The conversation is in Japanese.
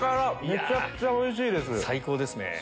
めちゃくちゃおいしい最高！